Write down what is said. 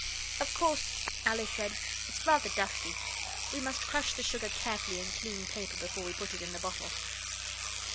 'Of course,' Alice said, 'it's rather dusty. We must crush the sugar carefully in clean paper before we put it in the bottle.